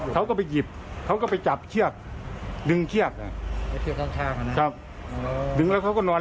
เขาก็ไปหยิบเขาก็ไปจับเชือกดึงเชือก